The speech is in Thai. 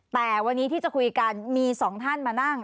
แต่วันนี้ที่จะคุยกันมีสองท่านมานั่ง